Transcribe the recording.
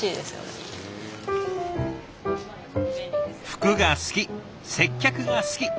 服が好き接客が好き。